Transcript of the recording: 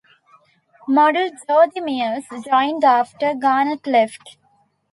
Model Jodhi Meares joined after Garnett left.